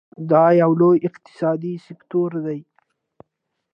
دا یو لوی اقتصادي سکتور دی.